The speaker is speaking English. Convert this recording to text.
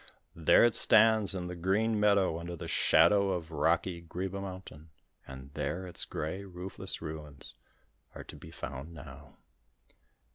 There it stands in the green meadow under the shadow of rocky Greeba Mountain, and there its grey roofless ruins are to be found now.